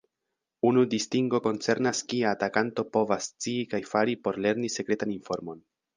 Unu distingo koncernas kia atakanto povas scii kaj fari por lerni sekretan informon.